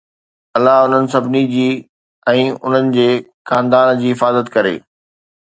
الله انهن سڀني جي ۽ انهن جي خاندان جي حفاظت ڪري